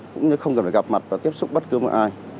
cũng như không cần phải gặp mặt và tiếp xúc bất cứ một ai